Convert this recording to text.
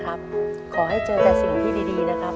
ขอให้เจอแต่สิ่งที่ดีนะครับ